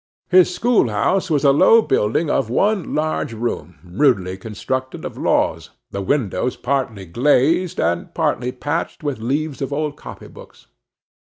His schoolhouse was a low building of one large room, rudely constructed of logs; the windows partly glazed, and partly patched with leaves of old copybooks.